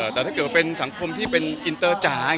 แต่ถ้าเกิดว่าเป็นสังคมที่เป็นอินเตอร์จ๋า